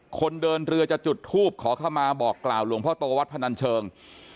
คนเดินเรือจะจุดทูบขอเข้ามาบอกกล่าวหลวงพ่อโตวัดพนันเชิง